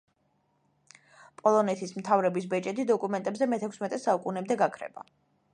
პოლონეთის მთავრების ბეჭედი დოკუმენტებზე მეთექვსმეტე საუკუნემდე გაქრება.